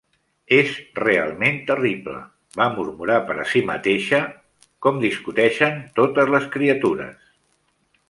"És realment terrible", va murmurar per a si mateixa, "com discuteixen totes les criatures".